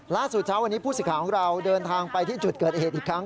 ล้าสู่เช้าอันนี้ผู้ศิษย์ขาวของเราเดินทางไปที่จุดเกิดเหตุอีกครั้ง